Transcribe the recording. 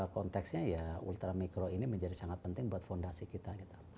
konteksnya ya ultramikro ini menjadi sangat penting buat fondasi kita